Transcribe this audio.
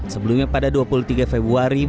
sebelumnya pada dua puluh tiga februari